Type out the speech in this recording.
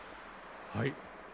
はい。